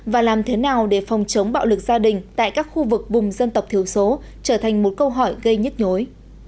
và làm thế nào để phòng chống bạo lực gia đình tại các khu vực vùng dân tộc thiếu số trở thành một câu hỏi gây nhức nhối